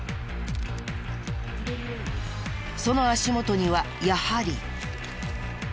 その足元にはやはり。